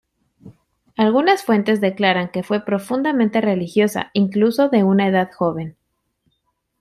Algunas fuentes declaran que fue profundamente religiosa, incluso de una edad joven.